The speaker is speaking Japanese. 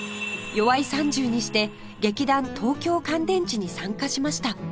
よわい３０にして劇団東京乾電池に参加しました